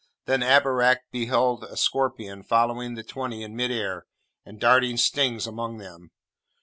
Then Abarak beheld a scorpion following the twenty in mid air, and darting stings among them.